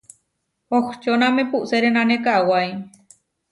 Ohčóname puʼserénane kawái.